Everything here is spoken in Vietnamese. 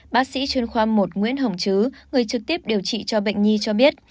bác sĩ chuyên khoa một nguyễn hồng chứ người trực tiếp điều trị cho bệnh nhi cho biết